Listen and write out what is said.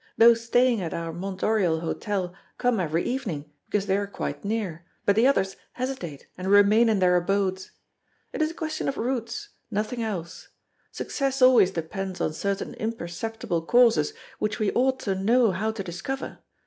Those staying at our Mont Oriol hotel come every evening, because they are quite near, but the others hesitate and remain in their abodes. It is a question of routes nothing else. Success always depends on certain imperceptible causes which we ought to know how to discover.